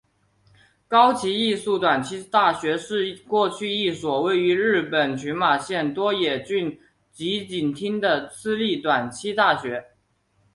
高崎艺术短期大学是过去一所位于日本群马县多野郡吉井町的私立短期大学。